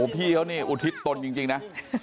พี่เขานี่อุทิศตนจริงนะ